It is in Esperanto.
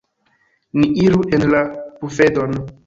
Ni iru en la bufedon.